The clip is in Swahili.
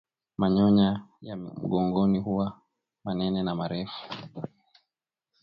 Manyoya ya mgongoni huwa manene na marefu